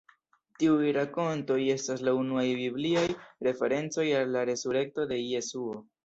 Tiuj rakontoj estas la unuaj bibliaj referencoj al la resurekto de Jesuo.